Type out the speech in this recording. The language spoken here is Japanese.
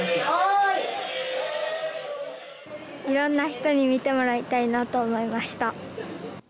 いろんな人に見てもらいたいなと思いました。